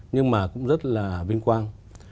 nhưng mà cũng rất là vinh quang